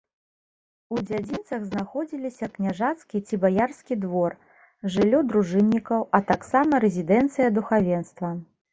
У дзядзінцах знаходзіліся княжацкі ці баярскі двор, жыллё дружыннікаў, а таксама рэзідэнцыя духавенства.